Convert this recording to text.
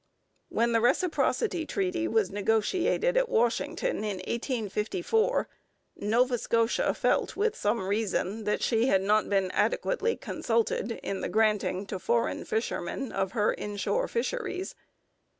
When the Reciprocity Treaty was negotiated at Washington in 1854, Nova Scotia felt, with some reason, that she had not been adequately consulted in the granting to foreign fishermen of her inshore fisheries.